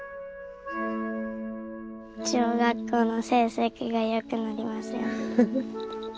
小学校の成績が良くなりますように。